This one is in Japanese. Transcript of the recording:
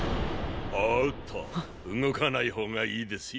おっと動かない方がいいですよ。